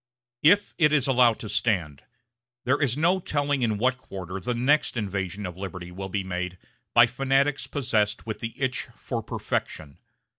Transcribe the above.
If it is allowed to stand, there is no telling in what quarter the next invasion of liberty will be made by fanatics possessed with the itch for perfection.